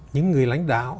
những người lãnh đạo